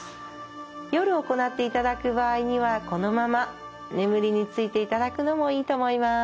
夜行っていただく場合にはこのまま眠りについていただくのもいいと思います。